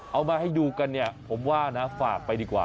เอามาให้ดูนะผมว่าน่ะฝากไปดีกว่า